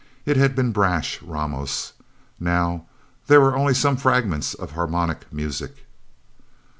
It had been brash Ramos... Now there were only some fragments of harmonica music...